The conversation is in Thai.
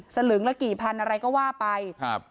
สลึงละกี่พันอะไรก็ว่าไปครับ